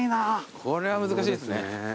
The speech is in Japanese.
これは難しいっすね。